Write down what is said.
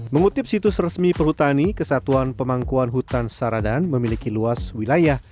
mengutip situs resmi perhutani kesatuan pemangkuan hutan saradan memiliki luas wilayah